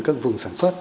các vùng sản xuất